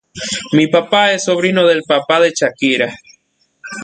Mi papá es sobrino del papá de Shakira".